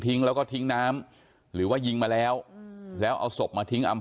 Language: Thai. แล้วก็ทิ้งน้ำหรือว่ายิงมาแล้วแล้วเอาศพมาทิ้งอำ